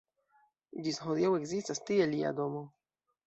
Ĝis hodiaŭ ekzistas tie lia domo.